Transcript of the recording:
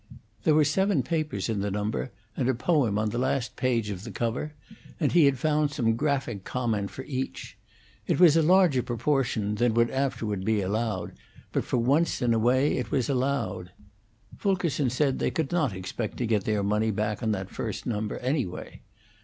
There were seven papers in the number, and a poem on the last page of the cover, and he had found some graphic comment for each. It was a larger proportion than would afterward be allowed, but for once in a way it was allowed. Fulkerson said they could not expect to get their money back on that first number, anyway.